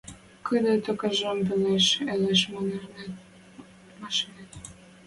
Кыды тӧкӓжӹм пеледӹш ылеш машанет.